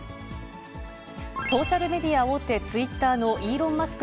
ソーシャルメディア大手、ツイッターのイーロン・マスク